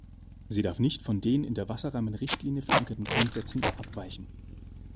Sie darf nicht von den in der Wasserrahmenrichtlinie verankerten Grundsätzen abweichen.